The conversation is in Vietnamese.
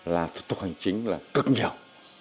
là thủ tục hành chính là cực nhiều